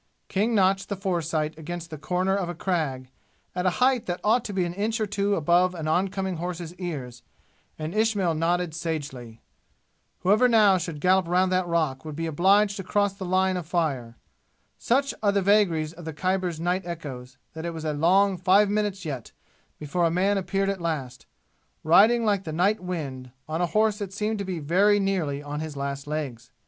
King notched the foresight against the corner of a crag, at a height that ought to be an inch or two above an oncoming horse's ears, and Ismail nodded sagely. Whoever now should gallop round that rock would be obliged to cross the line of fire. Such are the vagaries of the Khyber's night echoes that it was a long five minutes yet before a man appeared at last, riding like the night wind, on a horse that seemed to be very nearly on his last legs.